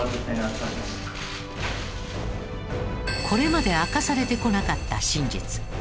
これまで明かされてこなかった真実。